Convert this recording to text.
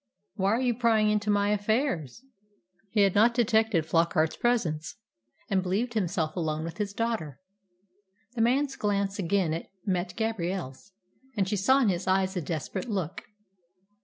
"Why are you prying into my affairs?" He had not detected Flockart's presence, and believed himself alone with his daughter. The man's glance again met Gabrielle's, and she saw in his eyes a desperate look.